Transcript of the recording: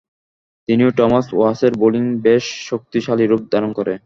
তিনি ও টমাস ওয়াসের বোলিং বেশ শক্তিশালীরূপ ধারণ করে।